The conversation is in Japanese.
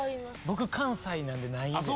僕関西なんでないんです。